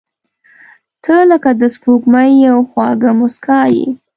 • ته لکه د سپوږمۍ یوه خواږه موسکا یې.